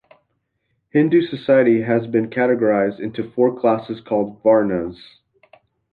Hindu society has been categorised into four classes, called "varnas".